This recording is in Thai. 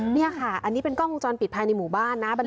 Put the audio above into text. นี่ค่ะอันนี้เป็นกล้องวงจรปิดภายในหมู่บ้านนะ